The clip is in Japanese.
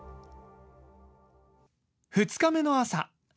２日目の朝。